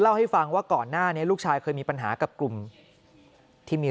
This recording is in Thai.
เล่าให้ฟังว่าก่อนหน้านี้ลูกชายเคยมีปัญหากับกลุ่มที่เมีย